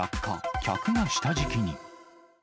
客が下敷きに。